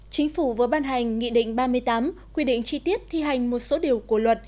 chính phủ vừa ban hành nghị định ba mươi tám quy định chi tiết thi hành một số điều của luật